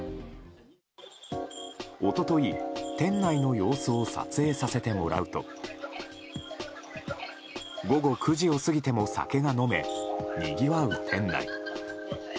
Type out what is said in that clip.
一昨日、店内の様子を撮影させてもらうと午後９時を過ぎても酒が飲め、にぎわう店内。